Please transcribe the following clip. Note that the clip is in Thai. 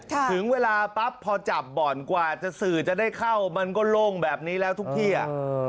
ถึงเวลาปั๊บพอจับบ่อนกว่าจะสื่อจะได้เข้ามันก็โล่งแบบนี้แล้วทุกที่อ่ะ